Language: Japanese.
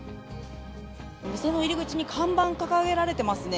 店の入り口に、看板掲げられてますね。